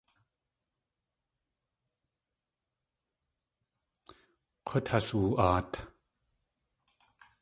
K̲ut has woo.aat.